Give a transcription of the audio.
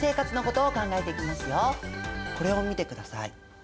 これを見てください。